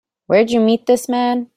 Where'd you meet this man?